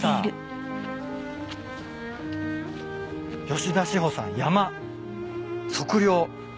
吉田志穂さん『山』『測量』